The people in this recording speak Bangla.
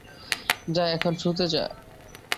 যা, এখন শুতে যা।